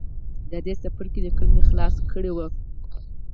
د دې څپرکي ليکل مې خلاص کړي وو.